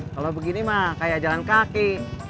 kalau begini mah kayak jalan kaki